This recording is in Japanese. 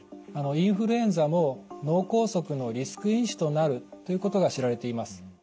インフルエンザも脳梗塞のリスク因子となるということが知られています。